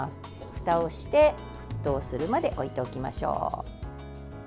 ふたをして、沸騰するまで置いておきましょう。